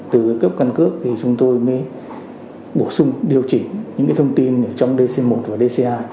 từ cái cấp căn cước thì chúng tôi mới bổ sung điều chỉnh những cái thông tin trong dc một và dc hai